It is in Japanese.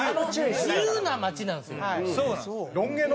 自由な街なんですよ。